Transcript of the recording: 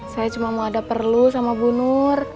saya cuma mau ada perlu sama bu nur